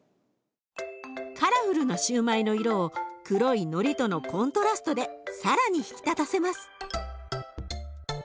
カラフルなシューマイの色を黒いのりとのコントラストで更に引き立たせます。